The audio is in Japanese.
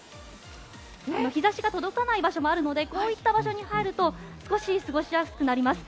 日差しが届かない場所もあるのでこういった場所に入ると少し、過ごしやすくなります。